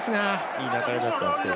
いい流れだったんですが。